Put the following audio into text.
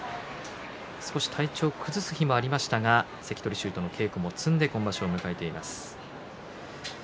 少し体調を崩す日もありましたが関取衆との稽古も積んで今場所を迎えています。